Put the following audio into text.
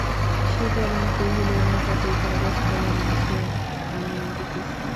সীতারাম কহিল, নৌকাতেই কাগজ-কলম আছে, আনিয়া দিতেছি।